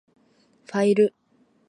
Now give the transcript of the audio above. ファイル